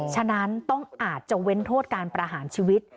ฉะนั้นต้องอาจจะเว้นโทษการประหารชีวิต